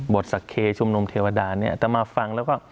สักเคชุมนุมเทวดาเนี่ยแต่มาฟังแล้วก็